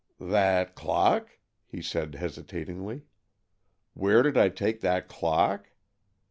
"That clock?" he said hesitatingly. "Where did I take that clock?